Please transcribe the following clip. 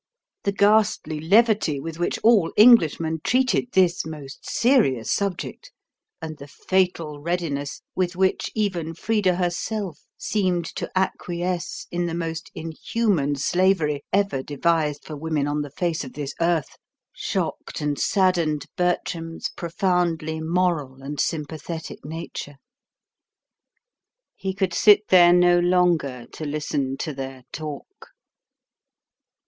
The ghastly levity with which all Englishmen treated this most serious subject, and the fatal readiness with which even Frida herself seemed to acquiesce in the most inhuman slavery ever devised for women on the face of this earth, shocked and saddened Bertram's profoundly moral and sympathetic nature. He could sit there no longer to listen to their talk.